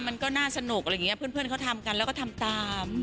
มันก็น่าสนุกอะไรอย่างนี้เพื่อนเขาทำกันแล้วก็ทำตาม